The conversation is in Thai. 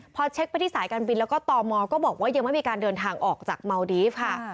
พอเช็คไปที่สายการบินแล้วก็ตมก็บอกว่ายังไม่มีการเดินทางออกจากเมาดีฟค่ะ